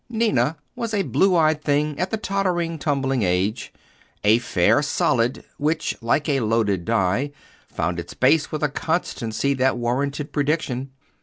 Ninna was a blue eyed thing, at the tottering, tumbling age—a fair solid, which, like a loaded die, found its base with a constancy that warranted prediction.